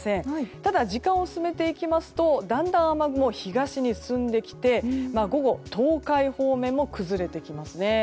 ただ、時間を進めていきますとだんだん雨雲が東に進んできて午後、東海方面も崩れてきますね。